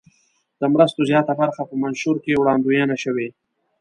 د مرستو زیاته برخه په منشور کې وړاندوینه شوې.